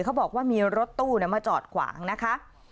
เขาบอกว่ามีรถตู้มาจอดขวางนะคะ